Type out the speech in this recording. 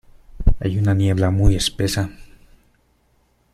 Hay una niebla muy espesa.